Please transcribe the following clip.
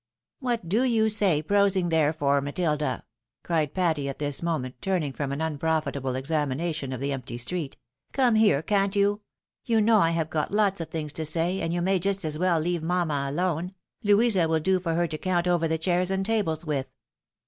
"What do you stay prosing there for, Matilda?" cried Patty at this moment, turning from an unprofitable examina tion of the empty street. " Come here, can't you ? you know 266 THE WIDOW MARRIED. I have got lots of tilings to say, and you may just as well leave mamma alone — Louisa mil do for her to count over the chairs and tables with."